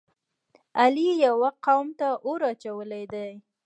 علی یوه قوم ته اور اچولی دی.